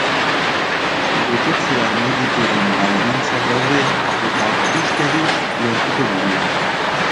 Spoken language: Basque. Betetzea nahi ditugun baldintzak daude, eta uste dut lortuko dugula.